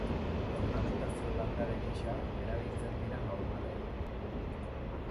Ornamentazio landare gisa erabiltzen dira normalean.